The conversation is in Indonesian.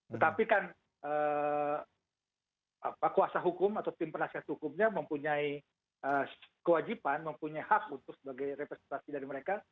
tetapi kan kuasa hukum atau tim penasihat hukumnya mempunyai kewajiban mempunyai hak untuk sebagai representasi dari mereka